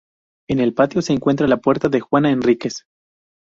En el patio se encuentra la puerta de Juana Enríquez.